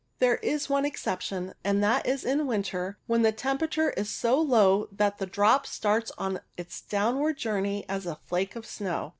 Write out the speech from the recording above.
There is one exception, and that is in winter, when the temperature is so low that the drop starts on its downward journey as a flake of snow.